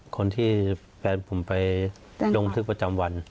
คนที่แฟนผมไปลงทึกประจำวัน